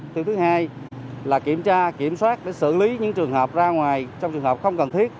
thứ hai là kiểm tra kiểm soát để xử lý những trường hợp ra ngoài trong trường hợp không cần thiết